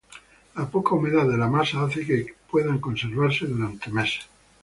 La poca humedad de la masa hace que puedan conservarse durante meses.